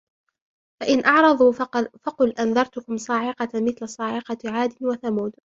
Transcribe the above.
فإن أعرضوا فقل أنذرتكم صاعقة مثل صاعقة عاد وثمود